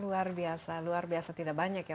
luar biasa luar biasa tidak banyak ya